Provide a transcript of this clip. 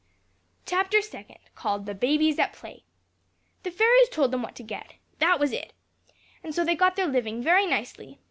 "Chapter second, called 'The Babies at Play.' The fairies told them what to get that was it! and so they got their living Very nicely.